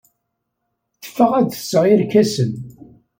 Teffeɣ ad d-tseɣ irkasen.